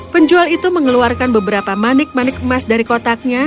penjual itu mengeluarkan beberapa manik manik emas dari kotaknya